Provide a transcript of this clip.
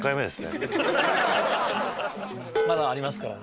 まだありますから。